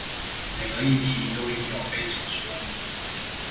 每個議題都應有背景說明